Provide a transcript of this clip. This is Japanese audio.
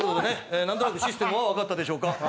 なんとなくシステムは分かったでしょうか。